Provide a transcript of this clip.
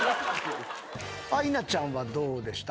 アイナちゃんはどうでした？